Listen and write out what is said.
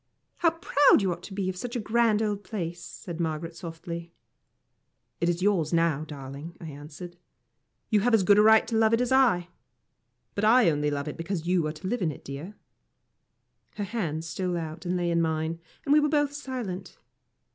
"How proud you ought to be of such a grand old place!" said Margaret, softly. "It is yours now, darling," I answered. "You have as good a right to love it as I but I only love it because you are to live in it, dear." Her hand stole out and lay on mine, and we were both silent.